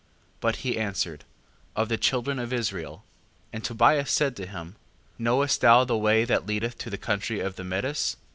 5:7. But he answered: Of the children of Israel. And Tobias said to him: Knowest thou the way that leadeth to the country of the Medes?